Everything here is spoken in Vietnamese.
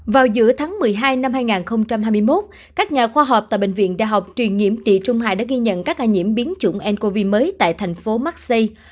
vào giữa tháng một mươi hai năm hai nghìn hai mươi một các nhà khoa học tại bệnh viện đa học truyền nhiễm tị trung hải đã ghi nhận các ca nhiễm biến chủng ncov mới tại thành phố maxi